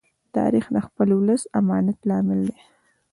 تاریخ د خپل ولس د امانت لامل دی.